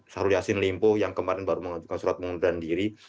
syahrul yassin limpo yang kemarin baru mengajukan surat pengunduran diri